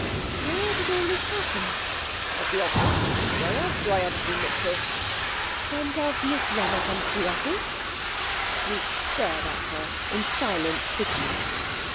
'Where did all this happen?' 'At the office. Where else do I ever see Mitchell?' 'Then does Miss Wrenner come to the office?' Bruce stared at her in silent pity.